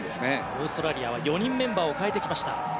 オーストラリアは４人メンバーを代えてきました。